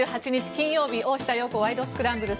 金曜日「大下容子ワイド！スクランブル」。